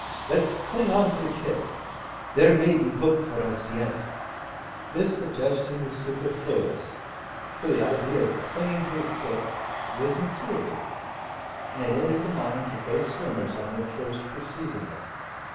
Let's cling on to the kit. There may be hope for us yet." This suggestion was superfluous: for the idea of clinging to the kit was intuitive, and had entered the minds of both swimmers on their first perceiving it.